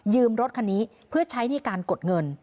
รถคันนี้เพื่อใช้ในการกดเงิน